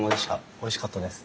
おいしかったです。